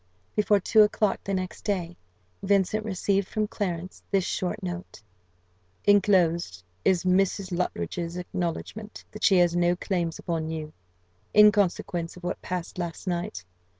Before two o'clock the next day, Vincent received from Clarence this short note: "Enclosed is Mrs. Luttridge's acknowledgment, that she has no claims upon you, in consequence of what passed last night.